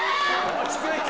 落ち着いて。